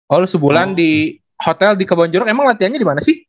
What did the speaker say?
oh lu sebulan di hotel di kebun jeruk emang latihannya dimana sih